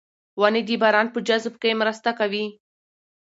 ونې د باران په جذب کې مرسته کوي.